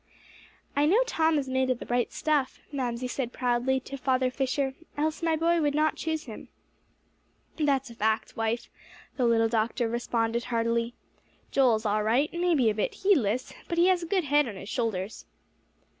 "I know Tom is made of the right stuff," Mamsie said proudly to Father Fisher, "else my boy would not choose him." "That's a fact, wife," the little doctor responded heartily. "Joel is all right; may be a bit heedless, but he has a good head on his shoulders."